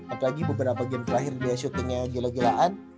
apalagi beberapa game terakhir dia shooting nya gila gilaan